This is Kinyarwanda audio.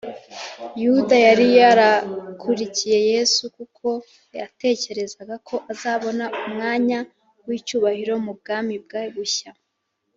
yuda yari yarakurikiye yesu kuko yatekerezaga ko azabona umwanya w’icyubahiro mu bwami bwe bushya